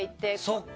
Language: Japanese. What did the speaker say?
そっか！